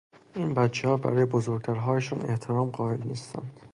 این بچهها برای بزرگترهایشان احترام قائل نیستند.